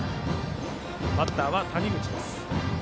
バッターは谷口です。